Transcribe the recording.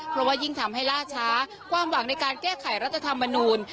เพราะว่ายิ่งทำให้ล่าช้าความหวังในการแก้ไขรัฐธรรมนูล